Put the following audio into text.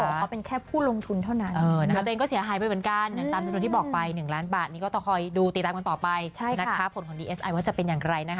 แล้วก็ไปถ่ายโฆษณาให้กับคุณแม่ซึ่งนานแล้ว